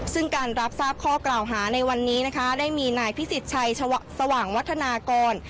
ซึ่งการรับทราบข้อกล่าวหาในวันนี้นะคะได้มีนายพิสิทธิ์ชัยสว่างวัฒนากร